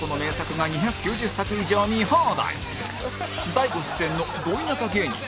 大悟出演のド田舎芸人